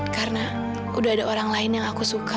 karena udah ada orang lain yang aku suka